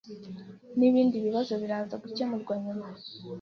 n’ibindi bibazo biraza gukemurwa nyuma